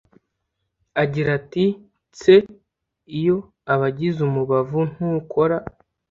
agira ati:’’Tse Iyo abigize umubavu ntukora